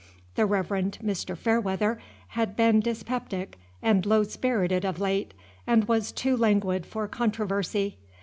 The Reverend Mr. Fairweather had been dyspeptic and low spirited of late, and was too languid for controversy.